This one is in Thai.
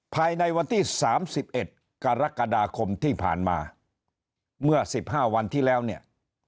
ภายในวันที่๓๑กรกฎาคมที่ผ่านมาเมื่อ๑๕วันที่แล้วเนี่ย